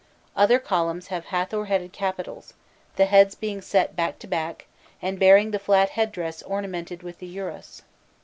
Other columns have Hâthor headed capitals, the heads being set back to back, and bearing the flat head dress ornamented with the urous.